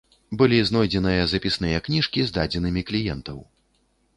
Былі знойдзеныя запісныя кніжкі з дадзенымі кліентаў.